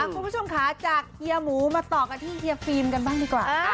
คุณผู้ชมค่ะจากเฮียหมูมาต่อกันที่เฮียฟิล์มกันบ้างดีกว่า